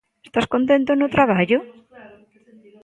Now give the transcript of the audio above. Estás contento no traballo?